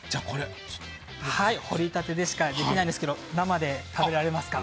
堀りたてしかできないんですが生で食べられますか？